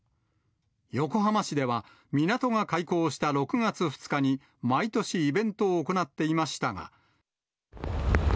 横浜市では港が開港した６月２日に毎年イベントを行っていましたが。